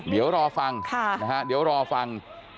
เดี๋ยวรอฟังนะฮะเดี๋ยวรอฟัง